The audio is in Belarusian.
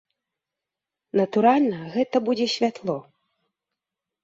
Натуральна, гэта будзе святло!